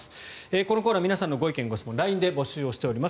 このコーナー皆さんのご意見・ご質問をＬＩＮＥで募集しております。